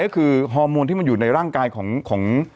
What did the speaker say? ก็คือฮอร์โมนที่มันอยู่ในร่างกายของ